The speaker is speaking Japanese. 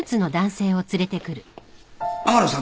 天野さん